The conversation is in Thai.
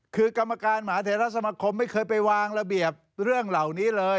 คือกรรมการมหาเทราสมคมไม่เคยไปวางระเบียบเรื่องเหล่านี้เลย